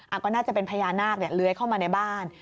ก็น่าจะเป็นพญานาคเลื้อยเข้ามาในบ้าน